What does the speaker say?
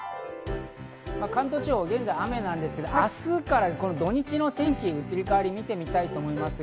関東地方、現在雨なんですけど、明日から土日の天気の移り変わりを見てみたいと思います。